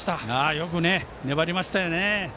よく粘りましたよね。